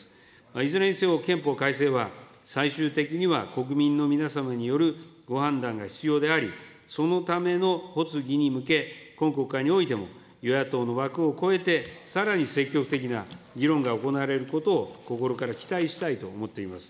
いずれにせよ、憲法改正は、最終的には国民の皆様によるご判断が必要であり、そのための発議に向け、今国会においても与野党の枠を超えて、さらに積極的な議論が行われることを心から期待したいと思っています。